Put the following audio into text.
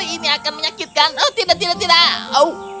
ini akan menyakitkan tidak tidak tidak